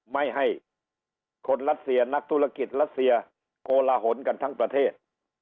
ไม่ให้คนรัสเซียนักธุรกิจรัสเซียโกลหนกันทั้งประเทศ